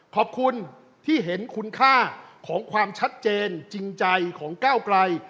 ขอบคุณที่เห็นคุณค่าของความชัดเจนจริงใจของก้าวไกล